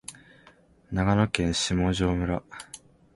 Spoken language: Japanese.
長野県下條村